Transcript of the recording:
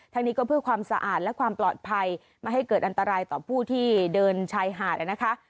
นี้ก็เพื่อความสะอาดและความปลอดภัยไม่ให้เกิดอันตรายต่อผู้ที่เดินชายหาดนะคะ